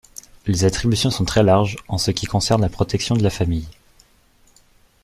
Les attributions sont très larges en ce qui concerne la protection de la famille.